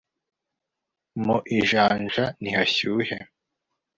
Mu ijanja nihashyuhe